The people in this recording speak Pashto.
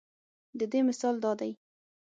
د دې مثال دا دے